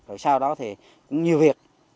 rồi sau đó thì nhiều việc